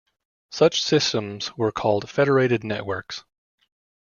Such systems were called "federated networks".